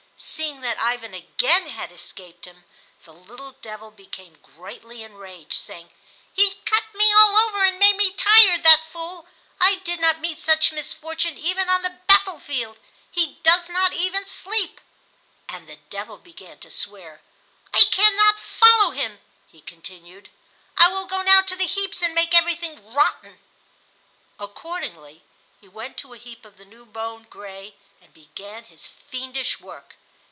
Seeing that Ivan again had escaped him, the little devil became greatly enraged, saying: "He cut me all over and made me tired, that fool. I did not meet such misfortune even on the battle field. He does not even sleep;" and the devil began to swear. "I cannot follow him," he continued. "I will go now to the heaps and make everything rotten." Accordingly he went to a heap of the new mown grain and began his fiendish work.